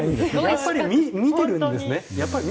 やっぱり見てるんですね。